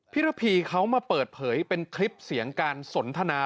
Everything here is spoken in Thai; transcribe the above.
ระพีเขามาเปิดเผยเป็นคลิปเสียงการสนทนา